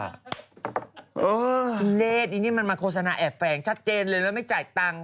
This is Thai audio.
พี่เฮดอีกนี้มันมาโฆษณาแอบแฟงชัดเจนเลยแล้วไม่จอดตังค์